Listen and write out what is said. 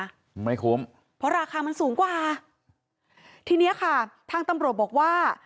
ไม่คุ้มเพราะราคามันสูงกว่าทีเนี้ยค่ะทางตำรวจบอกว่า